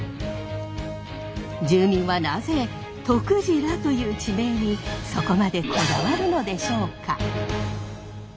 住民はなぜ「とくじら」という地名にそこまでこだわるのでしょうか？